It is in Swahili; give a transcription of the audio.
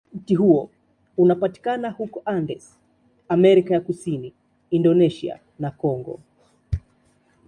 Mti huo unapatikana huko Andes, Amerika ya Kusini, Indonesia, na Kongo.